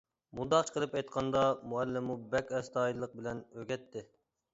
مۇنداقچە قىلىپ ئېيتقاندا، مۇئەللىممۇ بەك ئەستايىدىللىق بىلەن ئۆگەتتى.